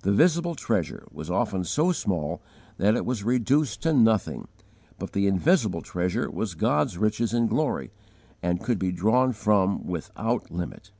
The visible treasure was often so small that it was reduced to nothing, but the invisible Treasure was God's riches in glory, and could be drawn from without limit.